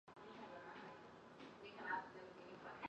疣柄美喙藓为青藓科美喙藓属下的一个种。